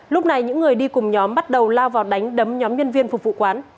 lúc này những người đi cùng nhóm bắt đầu lao vào đánh đấm nhóm nhân viên phục vụ quán